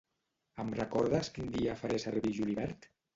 Em recordes quin dia faré servir julivert?